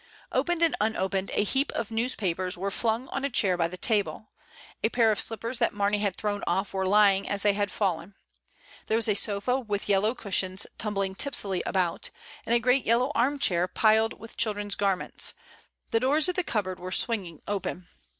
Opened and unopened a heap of newspapers were flung on a chair by the table; a pair of slip pers that Mamey had thrown off were lying as they had fallen. There was a sofa with yellow cushions tumbling tipsily about, and a great yellow arm chair piled with children's garments; the doors of the 84 MRS. DYMOND. cupboard were swinging open.